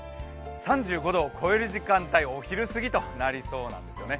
３５度を超える時間帯、お昼すぎとなりそうなんですね。